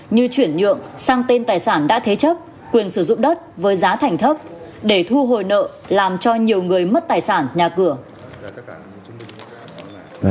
như chuyển nhượng sang tên tài sản đã thế chấp quyền sử dụng đất với giá thành thấp để thu hồi nợ làm cho nhiều người mất tài sản nhà cửa